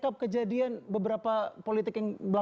oke jangan kelamaan rekapnya ya